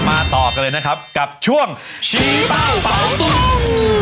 ต่อกันเลยนะครับกับช่วงชี้ฟ้าเป่าตุ้ง